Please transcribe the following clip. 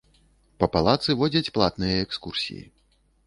Па палацы водзяць платныя экскурсіі.